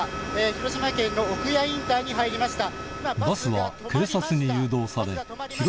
広島県の奥屋インターに入りました。